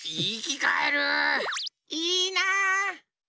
いいな。